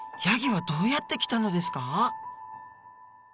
ヤギはどうやって来たのですか？